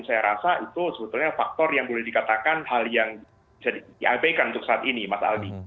saya rasa itu sebetulnya faktor yang boleh dikatakan hal yang bisa diabaikan untuk saat ini mas aldi